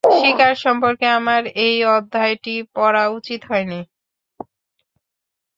শিকার সম্পর্কে আমার এই অধ্যায়টি পড়া উচিত হয়নি।